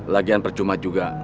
lagian percuma juga